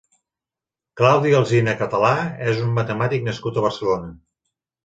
Claudi Alsina Català és un matemàtic nascut a Barcelona.